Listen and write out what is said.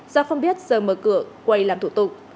do không biết giờ mở cửa quầy làm thủ tục